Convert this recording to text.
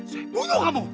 saya bunuh kamu